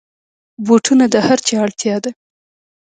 بوټونه د هرچا اړتیا ده.